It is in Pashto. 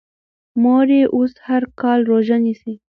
مور یې اوس هر کال روژه نیسي.